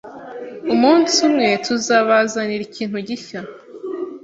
umunsi umwe tuzabazanira ikintu gishya